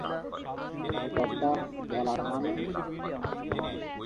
এ কথা বলার মানে?